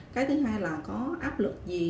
cái thứ hai là có áp lực gì